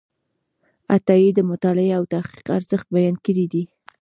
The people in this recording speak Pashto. عطایي د مطالعې او تحقیق ارزښت بیان کړی دی.